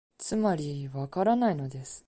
つまり、わからないのです